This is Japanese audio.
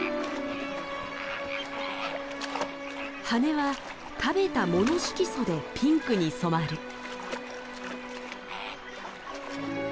羽は食べた藻の色素でピンクに染まる。